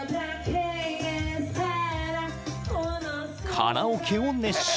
［カラオケを熱唱］